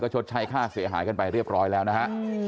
ชดใช้ค่าเสียหายกันไปเรียบร้อยแล้วนะฮะ